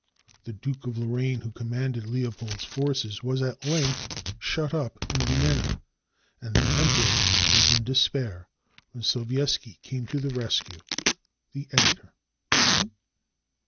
The Duke of Lorraine, who commanded Leopold's forces, was at length shut up in Vienna, and the Emperor was in despair, when Sobieski came to the rescue. The Editor.